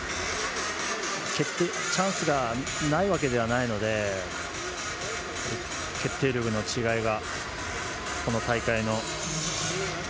チャンスがないわけではないので決定力の違いが、この大会の。